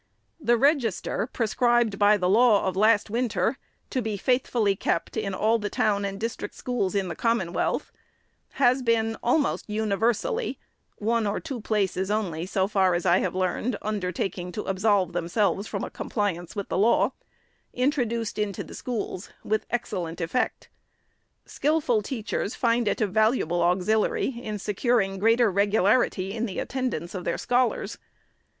The " Register," prescribed by the law of last winter, " to be faithfully kept, in all the town and district schools in the Commonwealth," has been almost universally (one or two places only, so far as I have learned, undertaking to absolve themselves from a compliance with the law) introduced into the schools, with excellent effect. Skilful teachers find it a valuable auxiliary in securing greater regularity in the attendance of the scholars.